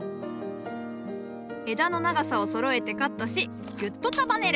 枝の長さをそろえてカットしぎゅっと束ねる。